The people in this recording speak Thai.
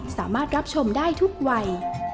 สามารถรับชมได้ทุกวัย